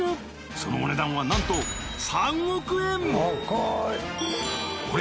そのお値段はなんと３億円！